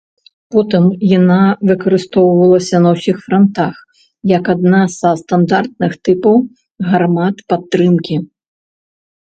Потым яна выкарыстоўвалася на ўсіх франтах як адна са стандартных тыпаў гармат падтрымкі.